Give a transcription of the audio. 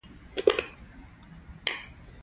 پر سترې محکمې د لګول شویو تورونو څېړنه وشوه.